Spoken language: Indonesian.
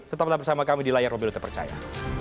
tetap bersama kami di layar mobil terpercaya